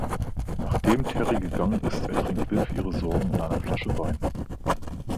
Nachdem Terry gegangen ist, ertränkt Viv ihre Sorgen in einer Flasche Wein.